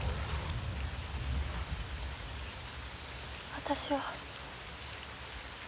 私は。